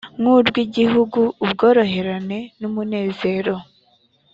n urw igihugu ubworoherane numunezero